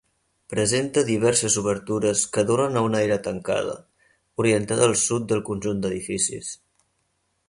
Presenta diverses obertures que donen a una era tancada, orientada al sud del conjunt d'edificis.